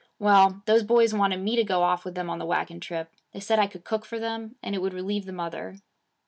Well, those boys wanted me to go off with them on the wagon trip. They said I could cook for them, and it would relieve the mother.